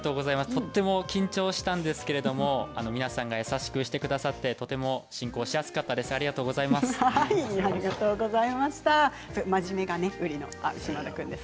とても緊張したんですが皆さん優しくしてくださって進行しやすかったです。